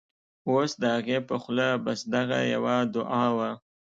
اوس د هغې په خوله بس، دغه یوه دعاوه